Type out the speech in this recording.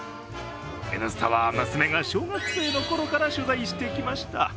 「Ｎスタ」は娘が小学生のころから取材してきました。